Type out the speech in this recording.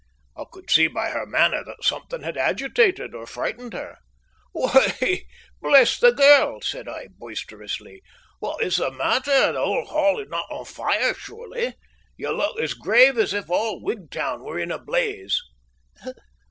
I could see by her manner that something had agitated or frightened her. "Why, bless the girl!" cried I boisterously, "what is the matter? The old Hall is not on fire, surely? You look as grave as if all Wigtown were in a blaze."